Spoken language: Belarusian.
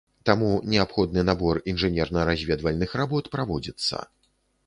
Таму неабходны набор інжынерна-разведвальных работ праводзіцца.